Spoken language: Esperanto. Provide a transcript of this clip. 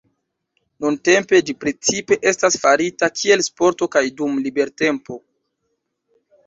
Nuntempe ĝi precipe estas farita kiel sporto kaj dum libertempo.